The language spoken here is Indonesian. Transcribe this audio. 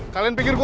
kalian pikir gue